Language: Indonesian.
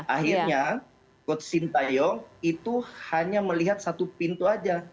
akhirnya god sin tayong itu hanya melihat satu pintu saja